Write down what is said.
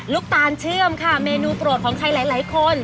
ตาลเชื่อมค่ะเมนูโปรดของใครหลายคน